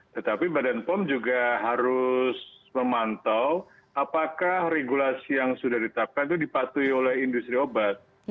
tetapi badan pom juga harus memantau apakah regulasi yang sudah ditetapkan itu dipatuhi oleh industri obat